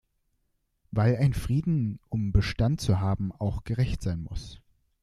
Weil ein Frieden, um Bestand zu haben, auch gerecht sein muss.